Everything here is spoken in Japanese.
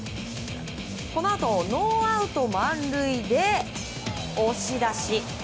このあとノーアウト満塁で押し出し。